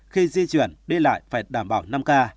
khi di chuyển đi lại phải đảm bảo năm k